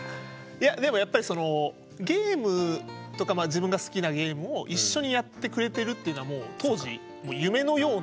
いやでもやっぱりゲームとか自分が好きなゲームを一緒にやってくれてるっていうのはもう当時夢のような。